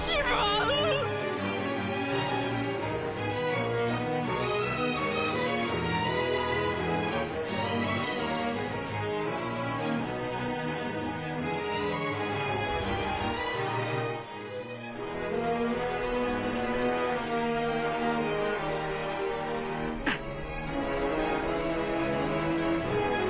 あっ。